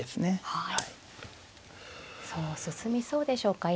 はい。